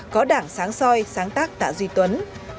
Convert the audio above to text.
có đảng sáng soi sáng tác tạ duy tuấn